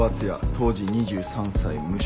当時２３歳無職。